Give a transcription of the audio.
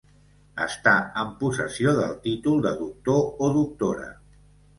Estar en possessió del títol de doctor o doctora.